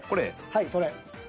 はいそれ。